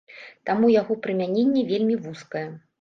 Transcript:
Таму яго прымяненне вельмі вузкае.